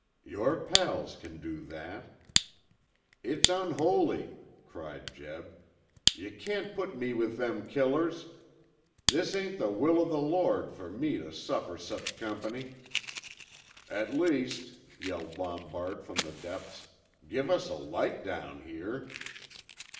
"Your pals can do that." "It's unholy," cried Jeb. "Yuh can't put me with them killers. This ain't the will o' the Lord fer me tuh suffer sech company." "At least," yelled Lombard from the depths, "give us a light down here."